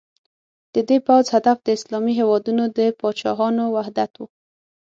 د دې پوځ هدف د اسلامي هېوادونو د پاچاهانو وحدت و.